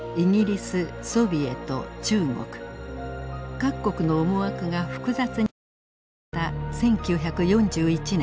各国の思惑が複雑に入り乱れた１９４１年。